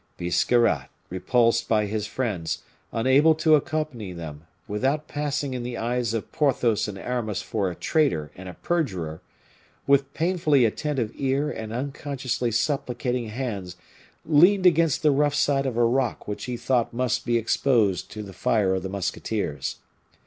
Biscarrat, repulsed by his friends, unable to accompany them, without passing in the eyes of Porthos and Aramis for a traitor and a perjurer, with painfully attentive ear and unconsciously supplicating hands leaned against the rough side of a rock which he thought must be exposed to the fire of the musketeers.